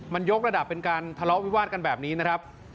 มันยกระดับเป็นการทะเลาะวิวาดกันแบบนี้นะครับ